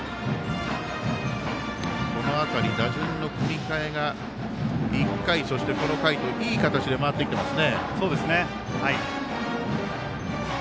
この辺り、打順の組み替えが１回、そしてこの回といい形で回ってきてます。